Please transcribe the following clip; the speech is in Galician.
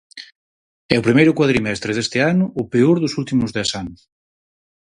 E o primeiro cuadrimestre deste ano, o peor dos últimos dez anos.